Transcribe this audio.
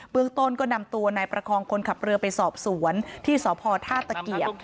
เมืองต้นก็นำตัวนายประคองคนขับเรือไปสอบสวนที่สพท่าตะเกียบ